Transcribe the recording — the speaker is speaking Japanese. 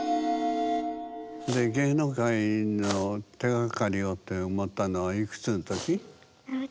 で芸能界の手がかりをって思ったのはいくつの時？